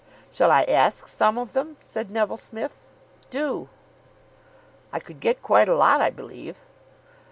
"Shall I ask some of them?" said Neville Smith. "Do." "I could get quite a lot, I believe."